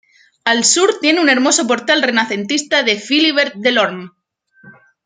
Al sur tiene un hermoso portal renacentista de Philibert Delorme.